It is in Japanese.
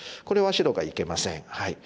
これは白がいけません。